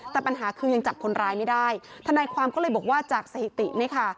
แต่ปัญหาคือยังจับคนร้ายไม่ได้ทนายความก็เลยบอกว่าจากสถิตินี่ค่ะ